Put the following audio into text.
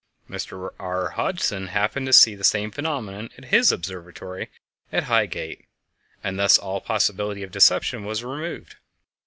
Mr R. Hodgson happened to see the same phenomenon at his observatory at Highgate, and thus all possibility of deception was removed.